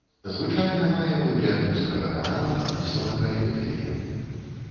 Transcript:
Звычайна мае выгляд вузкага канала, выслана эпітэліем.